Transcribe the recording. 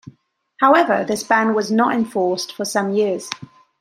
However, this ban was not enforced for some years.